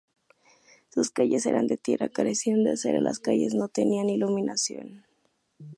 Sus calles eran de tierra, carecían de aceras, las calles no tenían iluminación.